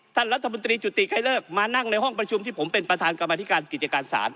ท่านรัฐมนตรีจุติใครเลิกมานั่งในห้องประชุมที่ผมเป็นประธานกรรมธิการกิจการศาล